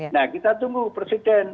nah kita tunggu presiden